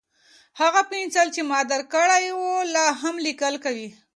هغه پنسل چې ما درکړی و، لا هم لیکل کوي؟